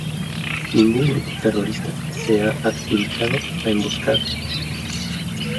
Ningún grupo terrorista se ha adjudicado la emboscada.